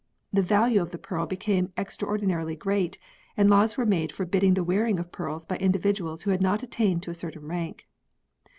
The value of the pearl became extraordinarily great and laws were made forbidding the wearing of pearls by individuals who had not attained to a certain rank.